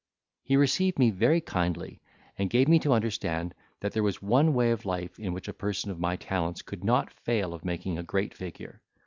He received me very kindly, and gave me to understand, that there was one way of life in which a person of my talents could not fail of making a great figure.